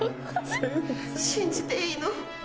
信じていいの？